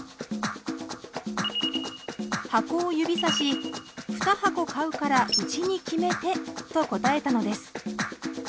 箱を指さしふた箱買うからうちに決めてと応えたのです。